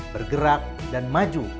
bergerak dan maju